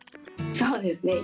そうですね。